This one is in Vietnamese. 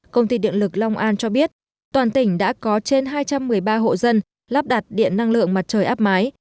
công ty điện lực long an cho biết toàn tỉnh đã có trên hai trăm một mươi ba hộ dân lắp đặt điện năng lượng mặt trời áp mái